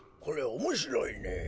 これおもしろいね。